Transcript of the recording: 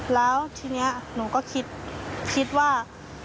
แล้วทีนี้หนูก็คิดว่า